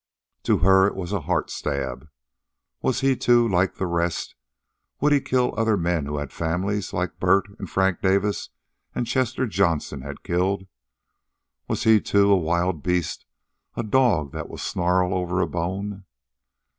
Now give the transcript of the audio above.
To her it was a heart stab. Was he, too, like the rest? Would he kill other men who had families, like Bert, and Frank Davis, and Chester Johnson had killed? Was he, too, a wild beast, a dog that would snarl over a bone?